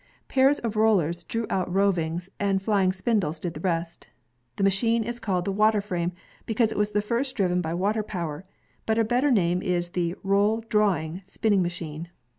Pairs of rollers drew out the roving, and flying spindles did the rest. The machine is called the water frame because it was first driven by water power, but a better name is the roll drawing spinning machine.